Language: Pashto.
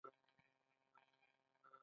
د ګرشک مستې هوا بدنونه لمس کړل.